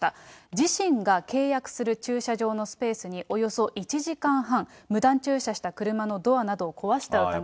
自身が契約する駐車場のスペースに、およそ１時間半、無断駐車した車のドアなどを壊した疑い。